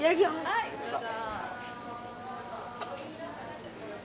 はいどうぞ。